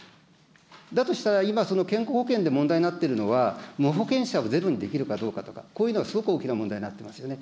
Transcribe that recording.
だとしたら今、健康保険で問題になっているのは、無保険者をゼロにできるのか、こういうのがすごく大きな問題になっていますよね。